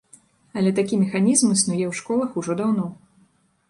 Але такі механізм існуе ў школах ужо даўно.